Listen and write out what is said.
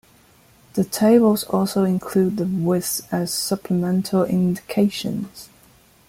The tables also include the width as supplemental indications.